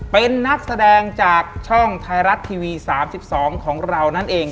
เป็นนักแสดงจากช่องไทยรัฐทีวี๓๒ของเรานั่นเอง